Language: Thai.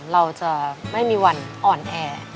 เราจะไม่มีวันอ่อนแอ